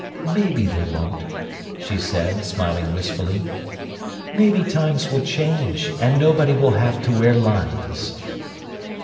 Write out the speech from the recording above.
"Maybe they won't," she said, smiling wistfully. "Maybe times will change, and nobody will have to wear lines."